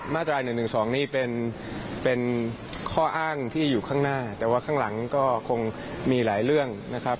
มาตรา๑๑๒นี่เป็นข้ออ้างที่อยู่ข้างหน้าแต่ว่าข้างหลังก็คงมีหลายเรื่องนะครับ